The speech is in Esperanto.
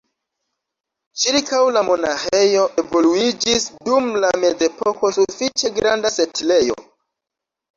Ĉirkaŭ la monaĥejo evoluiĝis dum la mezepoko sufiĉe granda setlejo.